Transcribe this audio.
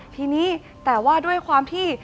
ทีนี้แต่ว่าด้วยความที่